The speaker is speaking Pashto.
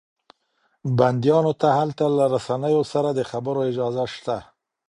بنديانو ته هلته له رسنيو سره د خبرو اجازه شته.